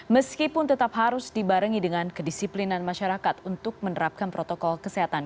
meskipun tetap harus dibarengi dengan kedisiplinan masyarakat untuk menerapkan protokol kesehatan